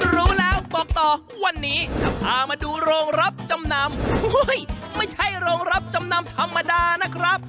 รู้แล้วบอกต่อวันนี้จะพามาดูโรงรับจำนำไม่ใช่โรงรับจำนำธรรมดานะครับ